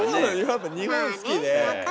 やっぱ日本好きで。